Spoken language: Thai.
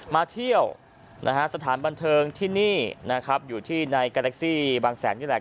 มาเที่ยวนะฮะสถานบันเทิงที่นี่นะครับอยู่ที่ในการแท็กซี่บางแสนนี่แหละ